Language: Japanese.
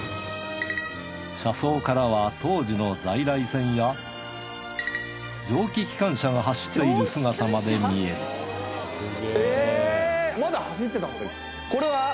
車窓からは当時の在来線や蒸気機関車が走っている姿まで見えるこれは。